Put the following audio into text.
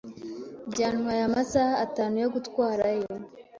Byantwaye amasaha atanu yo gutwarayo.